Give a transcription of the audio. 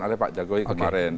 seperti pak jagowi kemarin